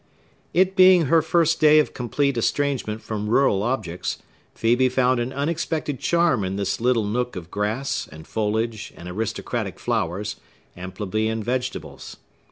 It being her first day of complete estrangement from rural objects, Phœbe found an unexpected charm in this little nook of grass, and foliage, and aristocratic flowers, and plebeian vegetables.